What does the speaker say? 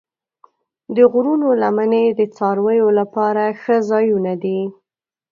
د غرونو لمنې د څارویو لپاره ښه ځایونه دي.